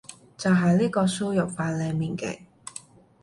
就係呢個輸入法裏面嘅